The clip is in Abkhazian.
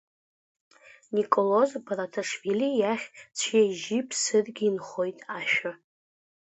Николоз Бараҭашьвили иахь цәеи-жьи ԥсыргьы инхоит ашәа…